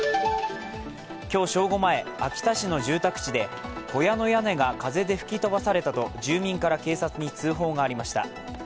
今日正午前、秋田市の住宅地で小屋の屋根が風で吹き飛ばされたと住民から警察に通報がありました。